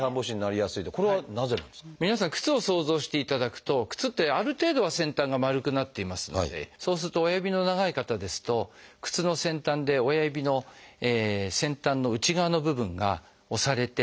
皆さん靴を想像していただくと靴ってある程度は先端が丸くなっていますのでそうすると親指の長い方ですと靴の先端で親指の先端の内側の部分が押されて。